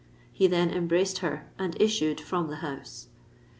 "—He then embraced her, and issued from the house.